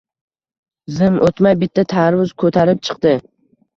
Zum oʻtmay bitta tarvuz koʻtarib chiqdi